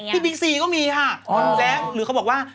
ที่ไหนอย่างเงี้ย